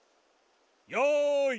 よい。